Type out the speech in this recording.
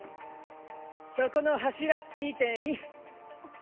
そこの柱見てみ。